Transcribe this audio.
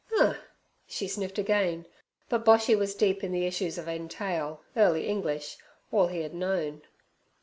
'Uh!' she sniffed again; but Boshy was deep in the issues of entail, early English, all he had known.